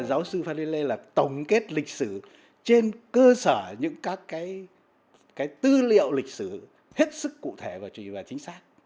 giáo sư phan huy lê là tổng kết lịch sử trên cơ sở những các cái tư liệu lịch sử hết sức cụ thể và chính xác